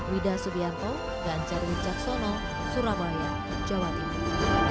widah subianto dan carwin caksono surabaya jawa timur